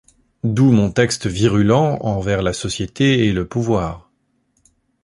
D'où mon texte virulent envers la société et le pouvoir….